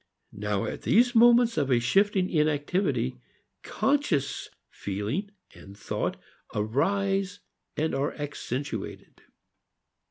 Now at these moments of a shifting in activity conscious feeling and thought arise and are accentuated.